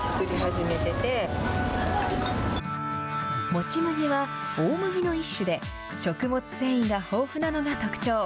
もち麦は大麦の一種で、食物繊維が豊富なのが特徴。